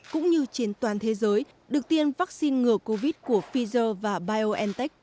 cũng như trên toàn thế giới được tiêm vaccine ngừa covid của pfizer và biontech